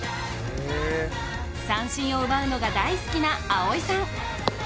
三振を奪うのが大好きな葵さん。